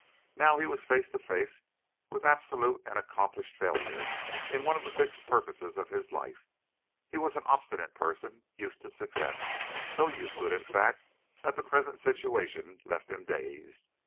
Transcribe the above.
Now he was face to face with absolute and accomplished failure in one of the fixed purposes of his life. He was an obstinate person, used to success, so used to it, in fact, that the present situation left him dazed.